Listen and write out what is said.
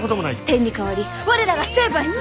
「天に代わり我らが成敗する！」。